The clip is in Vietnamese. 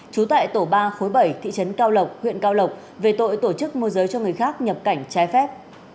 trú tại tổ ba khối bảy thị trấn cao lộc huyện cao lộc về tội tổ chức môi giới cho người khác nhập cảnh trái phép